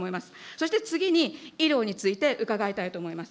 そして次に、医療について伺いたいと思います。